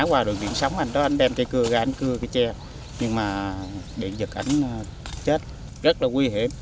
qua đường điện sóng anh đó anh đem cây cưa anh cưa cây tre nhưng mà điện giật ảnh chết rất là nguy hiểm